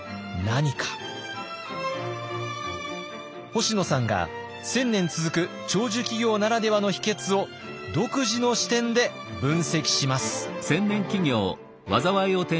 星野さんが１，０００年続く長寿企業ならではの秘けつを独自の視点で分析します。